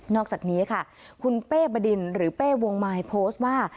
อกจากนี้ค่ะคุณเป้บดินหรือเป้วงมายโพสต์ว่า